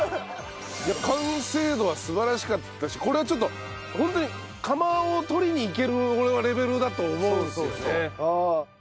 完成度が素晴らしかったしこれはちょっとホントに釜を取りにいけるレベルだと思うんですよね。